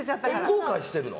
後悔してるの？